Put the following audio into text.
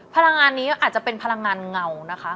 พลังงานนี้อาจจะเป็นพลังงานเงานะคะ